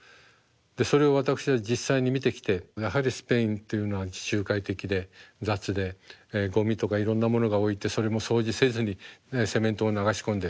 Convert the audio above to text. でそれを私は実際に見てきてやはりスペインというのは地中海的で雑でゴミとかいろんなものが置いてそれも掃除せずにセメントを流し込んで。